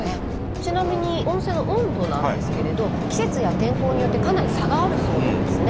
ちなみに温泉の温度なんですけれど季節や天候によってかなり差があるそうなんですね。